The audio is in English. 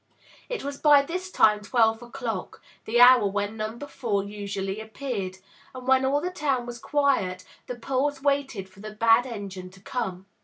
It was by this time twelve o'clock, the hour when Number Four usually appeared, and when all the town was quiet the poles waited for the bad engine to come.